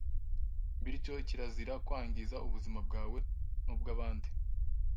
Bityo, kirazira kwangiza ubuzima bwawe n’ubw’aband